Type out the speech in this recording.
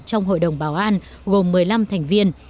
trong hội đồng bảo an gồm một mươi năm thành viên